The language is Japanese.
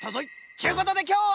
ちゅうことできょうは。